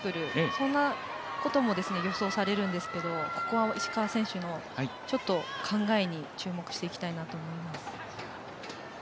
そんなことも予想されるんですけどここは石川選手のちょっと考えに注目していきたいと思います。